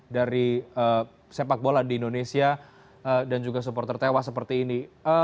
dari sepak bola di indonesia dan juga supporter tewas seperti ini